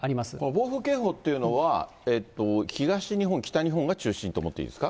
暴風警報というのは、東日本、北日本が中心と思っていいですか。